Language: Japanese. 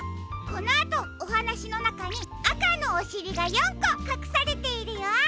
このあとおはなしのなかにあかのおしりが４こかくされているよ。